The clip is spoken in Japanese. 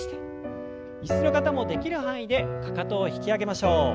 椅子の方もできる範囲でかかとを引き上げましょう。